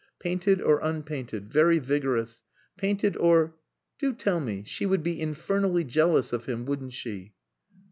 Painted or unpainted. Very vigorous. Painted or...Do tell me she would be infernally jealous of him, wouldn't she?"